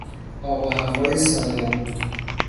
آب و هوای سالم